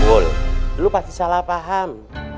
loh lu pasti salah paham